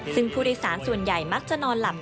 ซึ่งผู้โดยสารส่วนใหญ่มักจะนอนหลับ